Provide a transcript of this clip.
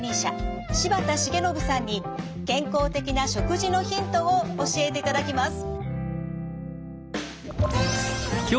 柴田重信さんに健康的な食事のヒントを教えていただきます。